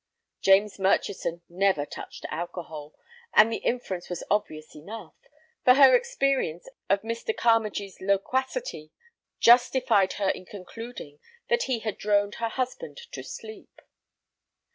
James Murchison never touched alcohol, and the inference was obvious enough, for her experience of Mr. Carmagee's loquacity justified her in concluding that he had droned her husband to sleep.